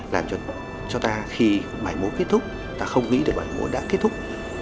làm cho ta khi bài múa kết thúc ta không nghĩ bài múa đã kết thúc